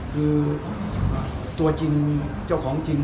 คือตัวจริงเจ้าของจริง